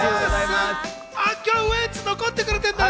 今日、ウエンツ残ってくれてんだね。